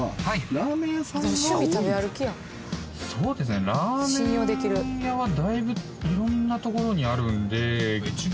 ラーメン屋はだいぶいろんなところにあるんで。